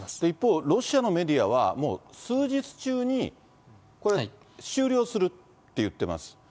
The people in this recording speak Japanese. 一方、ロシアのメディアは、もう数日中に、終了するっていってます。